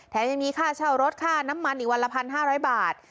ยังมีค่าเช่ารถค่าน้ำมันอีกวันละ๑๕๐๐บาท